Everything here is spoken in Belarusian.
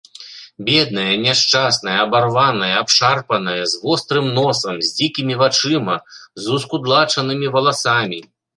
Бедная, няшчасная, абарваная, абшарпаная, з вострым носам, з дзікімі вачыма, з ускудлачанымі валасамі.